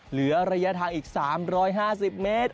เหลือระยะทางอีก๓๕๐เมตร